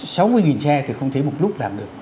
sáu mươi xe thì không thấy một lúc làm được